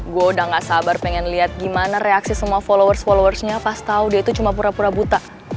gue udah gak sabar pengen lihat gimana reaksi semua followers followersnya pas tau dia itu cuma pura pura buta